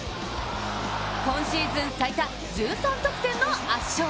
今シーズン最多１３得点の圧勝。